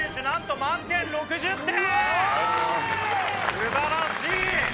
素晴らしい！